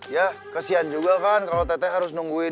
ya kesian juga kan kalau tee tee harus nungguin